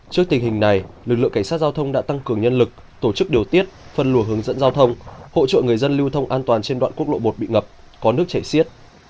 trước tình hình này lực lượng cảnh sát giao thông đã tăng cường nhân lực tổ chức điều tiết phân luồng hướng dẫn giao thông hỗ trợ người dân lưu thông an toàn trên đoạn quốc lộ một bị ngập có nước chảy xiết